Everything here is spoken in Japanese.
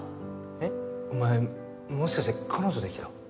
えっ？お前もしかして彼女できた？